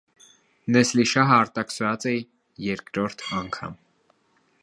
Նեսլիշահը արտաքսուած է երկրորդ անգամ։